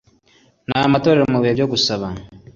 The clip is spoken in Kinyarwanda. n’amatorero mu bihe byo gusaba